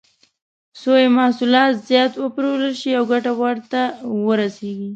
څو یې محصولات زیات وپلورل شي او ګټه ورته ورسېږي.